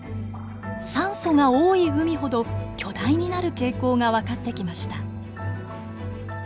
酸素が多い海ほど巨大になる傾向が分かってきました。